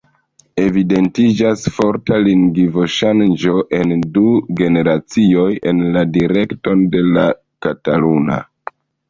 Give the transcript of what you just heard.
Evidentiĝas forta lingvoŝanĝo en du generacioj en la direkton de la kataluna.